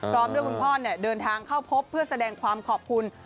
พร้อมด้วยคุณพ่อเดินทางเข้าพบเพื่อแสดงความขอบคุณ